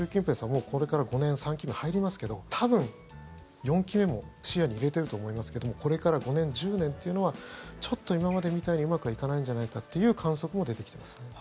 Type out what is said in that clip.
もうこれから５年３期目入りますけど多分４期目も視野に入れてると思いますけどこれから５年、１０年というのはちょっと今までみたいにうまくはいかないんじゃないかという観測も出てきていますね。